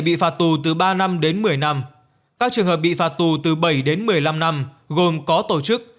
bị phạt tù từ ba năm đến một mươi năm các trường hợp bị phạt tù từ bảy đến một mươi năm năm gồm có tổ chức